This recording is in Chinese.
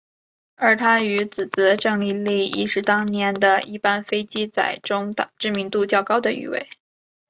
而他与姊姊郑丽丽亦是当年的一班飞机仔当中知名度较高的一位。